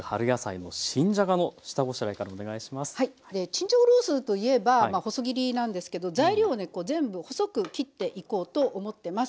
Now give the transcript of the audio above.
チンジャオロースーといえば細切りなんですけど材料をねこう全部細く切っていこうと思ってます。